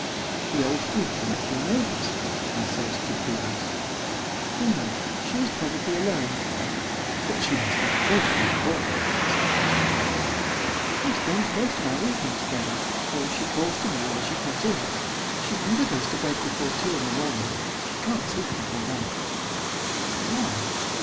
"The old duke is at your neighbour's," I said to Prudence. "Oh, no; she is probably alone." "But she must be dreadfully bored," said Gaston. "We spend most of our evening together, or she calls to me when she comes in. She never goes to bed before two in the morning. She can't sleep before that." "Why?"